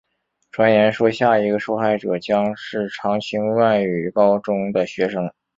传言说下一个受害者将是常青外语高中的学生。